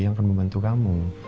yang akan membantu kamu